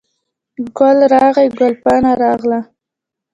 ګل راغلی، ګل پاڼه راغله